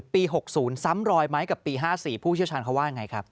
ปี๖๐ซ้ำรอยไหมกับปี๕๔ผู้เชี่ยวชาญเขาว่าไงครับ